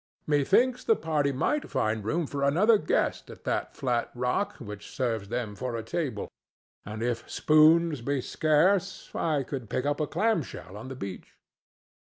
Methinks the party might find room for another guest at that flat rock which serves them for a table; and if spoons be scarce, I could pick up a clam shell on the beach.